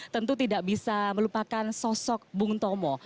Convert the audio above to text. tentu tidak bisa melupakan sosok bung tomo